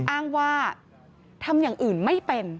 อ้างว่าทำอย่างอื่นไม่เป็น